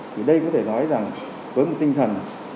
thì đây có thể nói rằng với một tinh thần